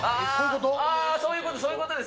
そういうこと、そういうことです。